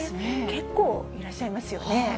結構いらっしゃいますよね。